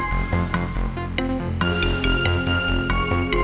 kita harus pergi